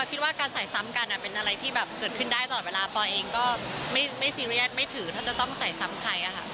คิดว่าการใส่ซ้ำกันเป็นอะไรที่แบบเกิดขึ้นได้ตลอดเวลาปอเองก็ไม่ซีเรียสไม่ถือถ้าจะต้องใส่ซ้ำใคร